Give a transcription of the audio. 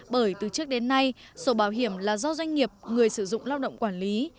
bởi từ trước đến nay sổ bảo hiểm là do doanh nghiệp người sử dụng lao động quản lý